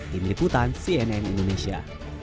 dini ikutan cnn indonesia